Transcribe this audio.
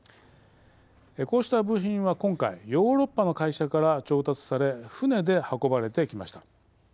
こうした部品は今回ヨーロッパの会社から調達され船で運ばれてきました。